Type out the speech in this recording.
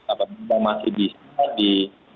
apa masih bisa di